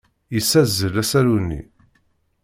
Yessazzel asaru-nni.